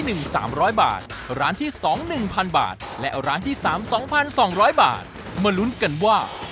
เอาใกล้เลยโอ้โฮเอาที่เซี๊ยวถนั่นเลย